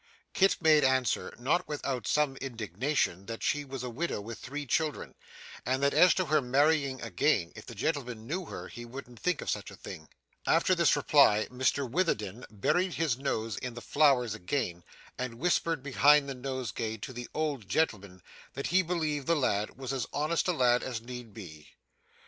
Kit made answer, not without some indignation, that she was a widow with three children, and that as to her marrying again, if the gentleman knew her he wouldn't think of such a thing. At this reply Mr Witherden buried his nose in the flowers again, and whispered behind the nosegay to the old gentleman that he believed the lad was as honest a lad as need be.